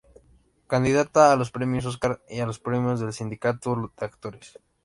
Candidata a los Premios Óscar y a los Premios del Sindicato de Actores.